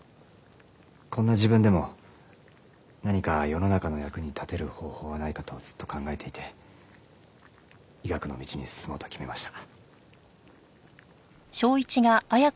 こんな自分でも何か世の中の役に立てる方法はないかとずっと考えていて医学の道に進もうと決めました。